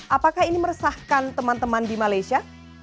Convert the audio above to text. apakah ini meresahkan teman teman di malaysia